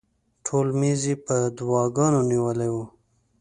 ټول میز یې په دواګانو نیولی و.